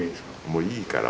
もういいから。